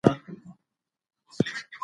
زموږ مخکني قضاوتونه لږ او اصلاح کیږي.